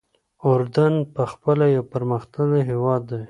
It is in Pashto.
اردن پخپله یو پرمختللی هېواد دی.